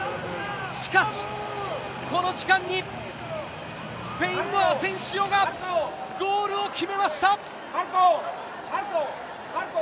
しかし、この時間に、スペインのアセンシオがゴールを決めました。